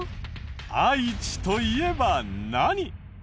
「愛知」といえば何？